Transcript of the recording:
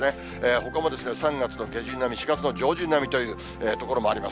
ほかも３月の下旬並み、４月の上旬並みという所もあります。